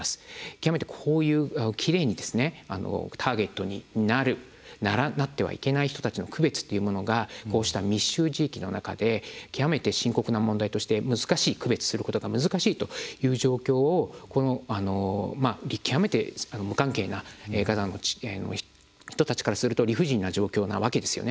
極めてこういうターゲットになってはいけない人たちの区別っていうものがこうした密集地域の中で極めて深刻な問題として区別することが難しいという状況をまあ極めて無関係なガザの人たちからすると理不尽な状況なわけですよね。